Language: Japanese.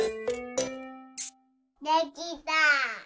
できた！